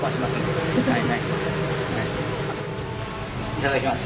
いただきます。